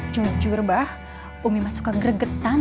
jujur bah umi mah suka gregetan